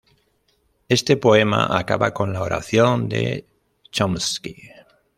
Este poema acaba con la oración de Chomsky.